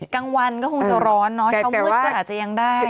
กลางวันก็คงจะร้อนเนอะเช้ามืดก็อาจจะยังได้